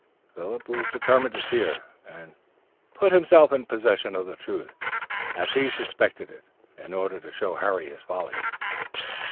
Philip determined to see her, and put himself in possession of the truth, as he suspected it, in order to show Harry his folly.